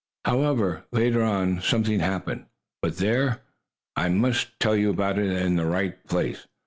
However, later on, something happened But there, I must tell about it in the right place.